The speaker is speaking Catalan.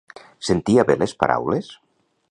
Sentia bé les paraules?